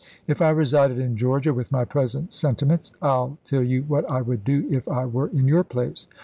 If I resided in Georgia, with my present senti ments, I '11 tell you what I would do if I were in your place.